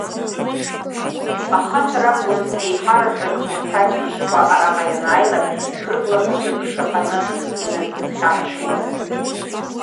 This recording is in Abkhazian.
Ахацәа ракәын еиҳаразак урҭ аџьнышқәа араҟа ианааилакь, рыблақәа цәыркшаԥаны иназызхьаԥшуаз.